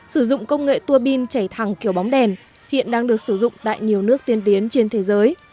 sử dụng công nghệ tua pin chạy thẳng kiểu bóng đèn hiện đang được sử dụng tại nhiều nước tiên tiến trên thế giới